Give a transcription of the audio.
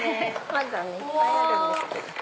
まだいっぱいあるんですけど。